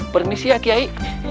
permisi ya kiai